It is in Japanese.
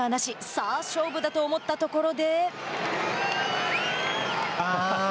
さあ勝負だと思ったところで。